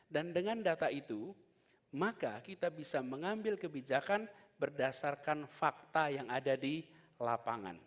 dan dengan data itu maka kita bisa mengambil kebijakan berdasarkan fakta yang ada di lapangan